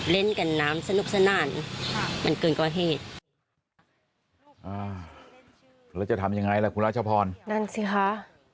แล้วจะทำยังไงล่ะคุณราชพรนั่นสิคะ